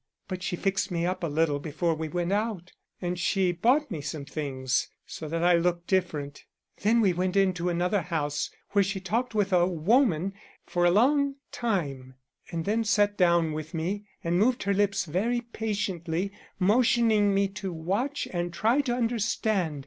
But she fixed me up a little before we went out, and she bought me some things, so that I looked different. Then we went into another house, where she talked with a woman for a long time, and then sat down with me and moved her lips very patiently, motioning me to watch and try to understand.